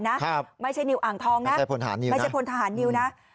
ไม่ใช่นิวอ่างทองนะใช่พลฐานนิวนะไม่ใช่พลทหารนิวนะ